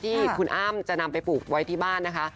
ที่คุณอ้ำจะนำไปปลูกไว้ที่บ้านนะคะ